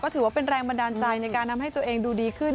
ถือว่าเป็นแรงบันดาลใจในการทำให้ตัวเองดูดีขึ้น